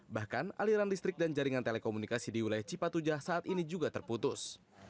bahkan aliran listrik dan jaringan telekomunikasi di wilayah cipatujah saat ini juga terputus